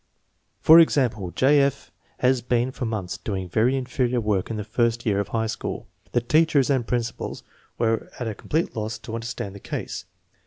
For example, J. F. had been for months doing very inferior work in the first year of high school. The teachers and principal were at a complete loss to un derstand the case.